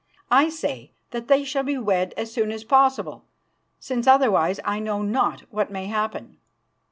I say that they shall be wed as soon as possible, since otherwise I know not what may happen."